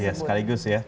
iya sekaligus ya